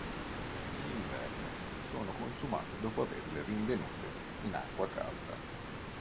In inverno sono consumate dopo averle rinvenute in acqua calda.